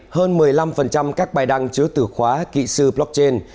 hơn một mươi năm các bài đăng chứa từ khóa kỹ sư blockchain